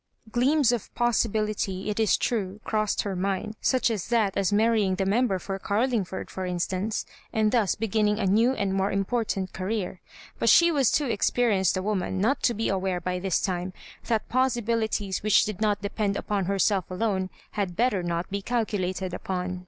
Gleams of pos sibility, it is true, crossed her mind, such as that of marrying the member for Oarlingford, for instance, and thus beginning a new and more important career ; but she was too experienced a woman not to be aware by this time, that pos sibilities which did not depend upon herself alone had better not be calculated upon.